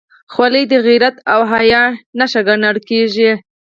خولۍ د غیرت او حیا نښه ګڼل کېږي.